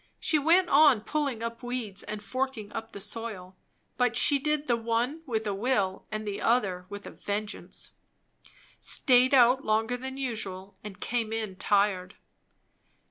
She went on pulling up weeds and forking up the soil, but she did the one with a will and the other with a vengeance; staid out longer than usual, and came in tired.